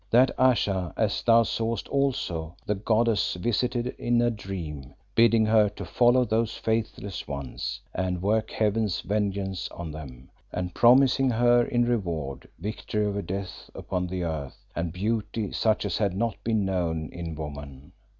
That Ayesha, as thou sawest also, the goddess visited in a dream, bidding her to follow those faithless ones, and work Heaven's vengeance on them, and promising her in reward victory over death upon the earth and beauty such as had not been known in woman.